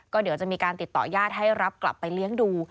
ก็เดี๋ยวจะมีการติดต่อญาติให้รับกลับไปเลี้ยงดู